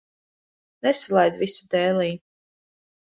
Nesalaid visu dēlī.